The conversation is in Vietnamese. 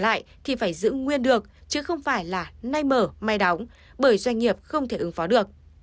lại thì phải giữ nguyên được chứ không phải là nay mở may đóng bởi doanh nghiệp không thể ứng phó được